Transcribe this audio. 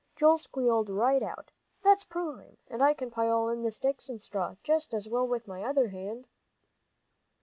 Joel squealed right out. "That's prime! And I can pile in the sticks and straw just as well with my other hand."